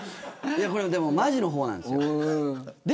これでもまじの方なんですよ。